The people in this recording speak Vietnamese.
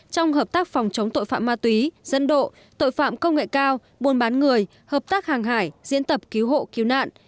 trong hợp tác phòng chống tội phạm ma túy dân độ tội phạm công nghệ cao buôn bán người hợp tác hàng hải diễn tập cứu hộ cứu nạn